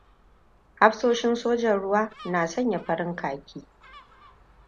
Hafsoshin sojan ruwa na sanka farin khaki.